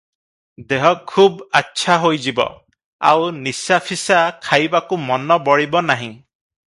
ଦେହ ଖୁବ୍ ଆଚ୍ଛା ହୋଇଯିବ, ଆଉ ନିଶାଫିସା ଖାଇବାକୁ ମନ ବଳିବ ନାହିଁ ।